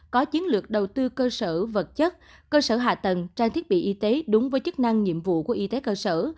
cơ sở hạ tầng trang thiết bị y tế đúng với chức năng nhiệm vụ của y tế cơ sở